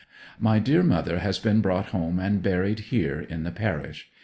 . My dear mother has been brought home and buried here in the parish.